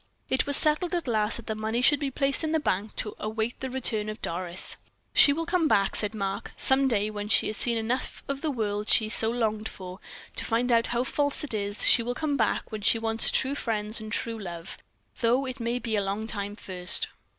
It was settled at last, that the money should be placed in the bank, to await the return of Doris. "She will come back," said Mark, "some day, when she has seen enough of the world she so longed for to find out how false it is; she will come back when she wants true friends and true love; though it may be a long time first."